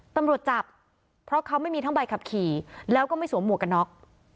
ตำรวจจับเพราะเขาไม่มีทั้งใบขับขี่แล้วก็ไม่สวมหมวกกันน็อก